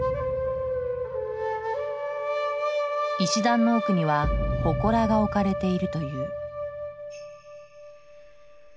石段の奥には祠が置かれているという。